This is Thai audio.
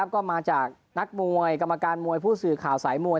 ก็มาจากนักมวยกรรมการมวยผู้สื่อข่าวสายมวย